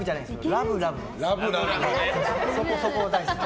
ラブラブです。